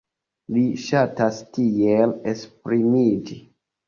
Li ŝatas tiel esprimiĝi.